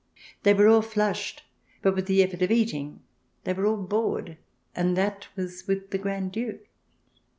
They were all flushed, but with the effort of eating ; they were all bored, and that was with the Grand Duke.